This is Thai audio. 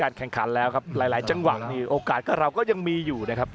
การแข่งขันแล้วค่ะหลายจังหวะโอกาสเราก็ยังมีอยู่นะครับ